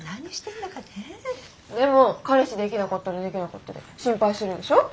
でも彼氏できなかったらできなかったで心配するでしょう。